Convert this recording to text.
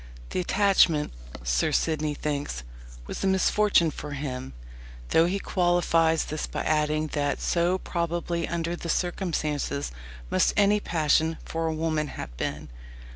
The attachment, Sir Sidney thinks, was a misfortune for him, though he qualifies this by adding that "so probably under the circumstances must any passion for a woman have been."